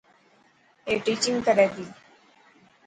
اي ٽيچنگ ڪري تي.